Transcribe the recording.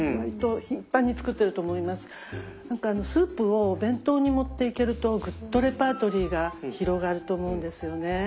なんかスープをお弁当に持っていけるとぐっとレパートリーが広がると思うんですよね。